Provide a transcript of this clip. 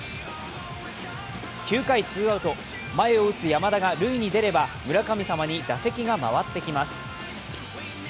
９回ツーアウト、前を打つ山田が塁に出れば村神様に打席が回ってきます。